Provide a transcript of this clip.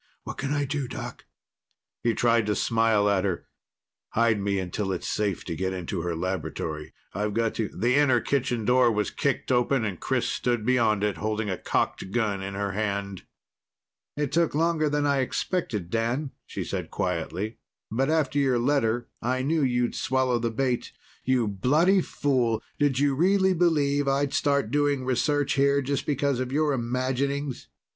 What can I do, Doc?" He tried to smile at her. "Hide me until it's safe to get into her laboratory. I've got to " The inner kitchen was kicked open and Chris stood beyond it, holding a cocked gun in her hand. "It took longer than I expected, Dan," she said quietly. "But after your letter, I knew you'd swallow the bait. You bloody fool! Did you really believe I'd start doing research here just because of your imaginings?"